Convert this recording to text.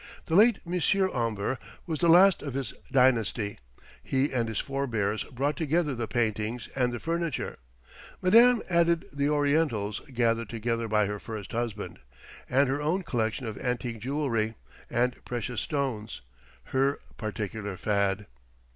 "The late Monsieur Omber was the last of his dynasty; he and his forebears brought together the paintings and the furniture; madame added the Orientals gathered together by her first husband, and her own collection of antique jewellery and precious stones her particular fad...."